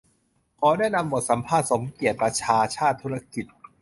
ขอแนะนำบทสัมภาษณ์สมเกียรติ ประชาชาติธุรกิจ